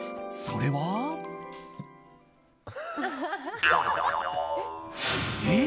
それは。え？